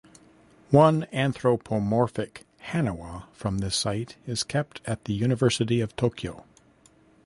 One anthropomorphic "haniwa" from this site is kept at the University of Tokyo.